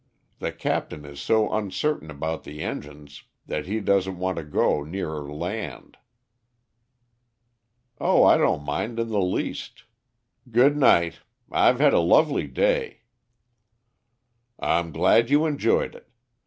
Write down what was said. The captain is so uncertain about the engines that he doesn't want to go nearer land." "Oh, I don't mind in the least. Good night. I've had a lovely day." "I'm glad you enjoyed it.